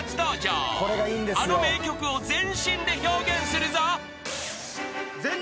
［あの名曲を全身で表現するぞ］